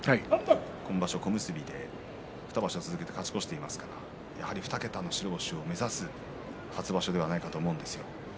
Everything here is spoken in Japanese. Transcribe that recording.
今場所小結で２場所連続勝ち越していますがやはり２桁の白星を目指す初場所ではないかと思います。